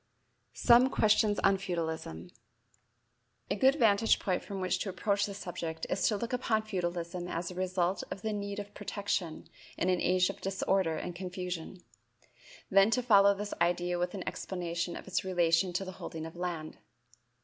Some Suggestions on Feudalism. A good vantage point from which to approach the subject is to look upon feudalism as the result of the need of protection in an age of disorder and confusion; then to follow this idea with an explanation of its relation to the holding of land.